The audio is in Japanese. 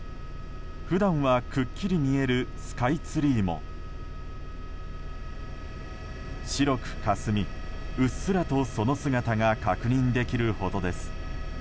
普段はくっきり見えるスカイツリーも白くかすみ、うっすらとその姿が確認できるほどです。